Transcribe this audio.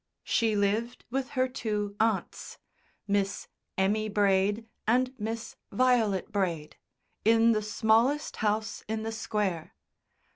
She lived with her two aunts Miss Emmy Braid and Miss Violet Braid in the smallest house in the Square.